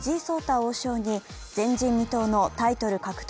王将に前人未到のタイトル獲得